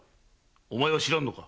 お前は知らんのか？